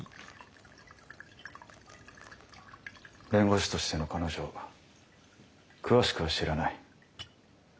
弁護士としての彼女を詳しくは知らない。